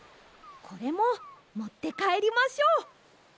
これももってかえりましょう。